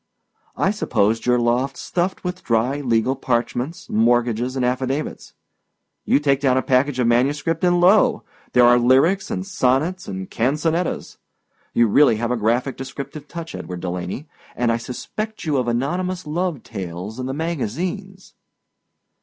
I supposed your loft stuffed with dry legal parchments, mortgages, and affidavits; you take down a package of manuscript, and lo! there are lyrics and sonnets and canzonettas. You really have a graphic descriptive touch, Edward Delaney, and I suspect you of anonymous love tales in the magazines.